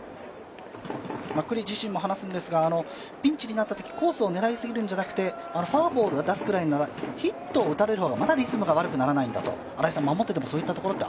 九里自身も話すんですが、ピンチになったときコースを狙い過ぎるんじゃなくてフォアボールを出すくらいならヒットを打たれるぐらいの方がまだリズムが悪くならないんだと新井さん守っててもそうですか？